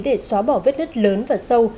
để xóa bỏ vết nứt lớn và sâu